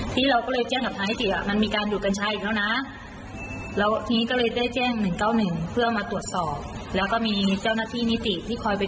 ให้กฎหมายทำอะไรกับเขาหน่อย